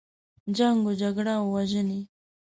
جنګ و جګړه او وژنې.